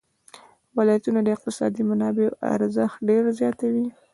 ولایتونه د اقتصادي منابعو ارزښت ډېر زیاتوي.